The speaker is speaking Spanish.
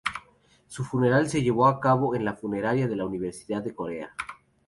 Su funeral se llevó a cabo en la funeraria de la Universidad de Corea.